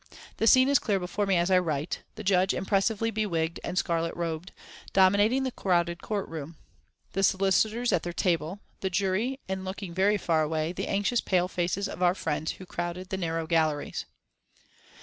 The scene is clear before me as I write, the judge impressively bewigged and scarlet robed, dominating the crowded courtroom, the solicitors at their table, the jury, and looking very far away, the anxious pale faces of our friends who crowded the narrow galleries.